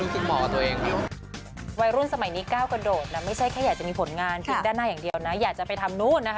ผมก็อยาก